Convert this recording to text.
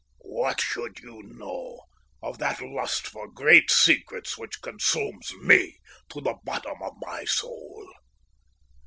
"What should you know of that lust for great secrets which consumes me to the bottom of my soul!"